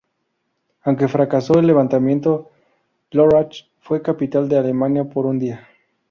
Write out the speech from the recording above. Aunque fracasó el levantamiento, Lörrach fue capital de Alemania por un día.